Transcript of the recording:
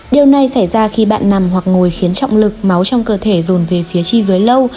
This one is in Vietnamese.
điều này xảy ra khi bạn nằm hoặc ngồi khiến trọng lực máu trong cơ thể dồn về phía chi dưới lâu